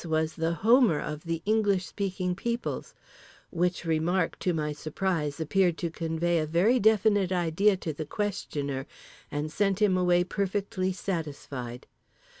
was the Homer of the English speaking peoples—which remark, to my surprise, appeared to convey a very definite idea to the questioner and sent him away perfectly satisfied.